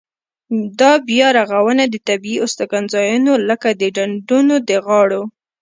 دا بیا رغونه د طبیعي استوګنځایونو لکه د ډنډونو د غاړو.